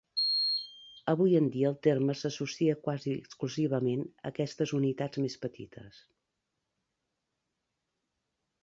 Avui en dia el terme s'associa quasi exclusivament a aquestes unitats més petites.